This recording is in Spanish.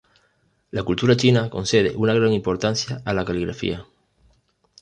La cultura china concede una gran importancia a la caligrafía.